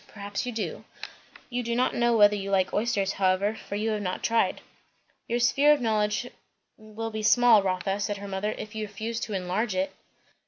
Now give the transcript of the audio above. Perhaps you do. You do not know whether you like oysters, however, for you have not tried." "Your sphere of knowledge will be small, Rotha," said her mother, "if you refuse to enlarge it."